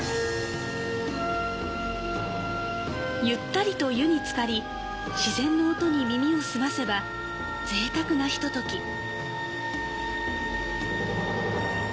ゆったりと湯につかり、自然の音に耳を澄ませば贅沢なひととき。